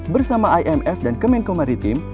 bersama imf dan kemenko maritim